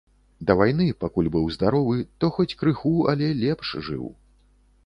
Да вайны, пакуль быў здаровы, то хоць крыху, але лепш жыў.